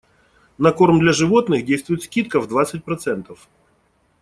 На корм для животных действует скидка в двадцать процентов.